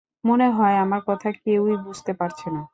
মনে হয়, আমার কথা কেউই বুঝতে পারছে না।